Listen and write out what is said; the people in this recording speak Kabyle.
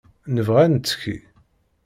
Nebɣa ad nettekki.